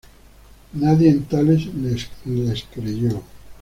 Nadie en Tale les creyó.